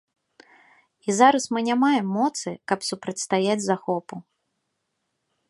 І зараз мы не маем моцы, каб супрацьстаяць захопу.